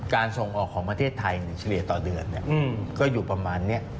การส่งออกของประเทศไทยในชาเรียต่อเดือนก็อยู่ประมาณเนี้ย